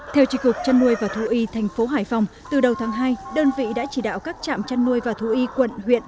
theo chỉ cục chăn nuôi và thu y tp hải phòng từ đầu tháng hai đơn vị đã chỉ đạo các trạm chăn nuôi và thu y quận huyện